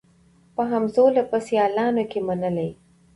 په همزولو په سیالانو کي منلې